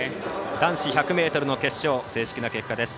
男子１００ｍの決勝正式な結果です。